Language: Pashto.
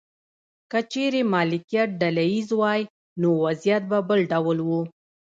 که چیرې مالکیت ډله ایز وای نو وضعیت به بل ډول و.